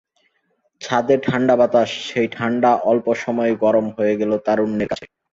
ছাদে ঠান্ডা বাতাস, সেই ঠান্ডা অল্প সময়েই গরম হয়ে গেল তারুণ্যের কাছে।